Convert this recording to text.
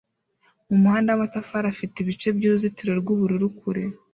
mumuhanda wamatafari afite ibice byuruzitiro rwubururu kure